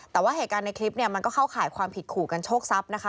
แต่ว่าเหตุการณ์ในคลิปเนี่ยมันก็เข้าข่ายความผิดขู่กันโชคทรัพย์นะคะ